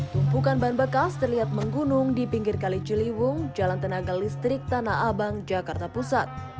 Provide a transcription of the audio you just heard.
tumpukan ban bekas terlihat menggunung di pinggir kali ciliwung jalan tenaga listrik tanah abang jakarta pusat